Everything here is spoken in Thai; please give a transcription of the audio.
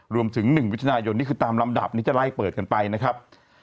รวมถึง๑มิถุนายนนี่คือตามลำดับที่จะไล่เปิดกันไปนะครับ